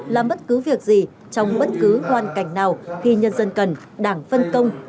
làm bất cứ việc gì trong bất cứ hoàn cảnh nào khi nhân dân cần đảng phân công